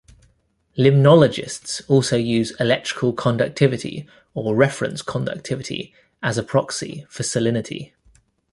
Limnologists also use electrical conductivity, or "reference conductivity", as a proxy for salinity.